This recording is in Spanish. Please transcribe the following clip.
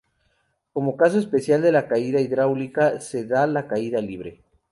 Como caso especial de la caída hidráulica se da la caída libre.